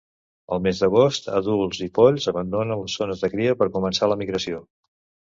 Al mes d’agost, adults i polls abandonen les zones de cria per començar la migració.